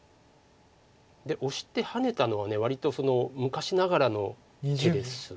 オシてハネたのは割と昔ながらの手です。